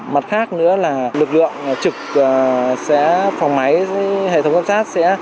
mặt khác nữa là lực lượng trực phòng máy hệ thống giám sát sẽ